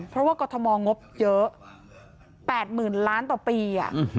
เพราะว่ากรทมงบเยอะ๘๐๐๐ล้านต่อปี